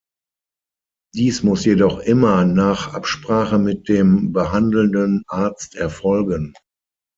Dies muss jedoch immer nach Absprache mit dem behandelnden Arzt erfolgen.